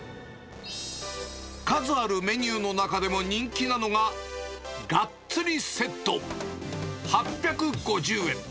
数あるメニューの中でも人気なのが、がっつりセット８５０円。